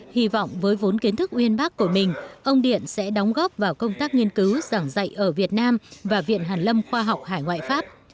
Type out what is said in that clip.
hy vọng với vốn kiến thức uyên bác của mình ông điện sẽ đóng góp vào công tác nghiên cứu giảng dạy ở việt nam và viện hàn lâm khoa học hải ngoại pháp